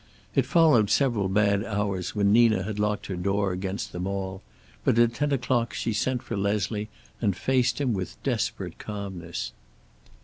It followed several bad hours when Nina had locked her door against them all, but at ten o'clock she sent for Leslie and faced him with desperate calmness.